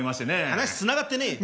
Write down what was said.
話つながってねえよ！